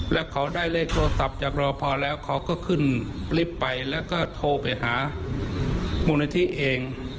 แล้วเขาได้เลขโทรศัพท์จากรอพอแล้วเขาก็ขึ้นลิฟต์ไปแล้วก็โทรไปหามูลนิธิเอง